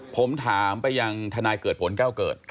ผมถามไปยังทนายเกิดผลแก้วเกิด